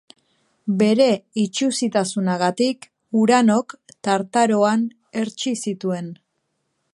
Bere itsusitasunagatik, Uranok Tartaroan hertsi zituen.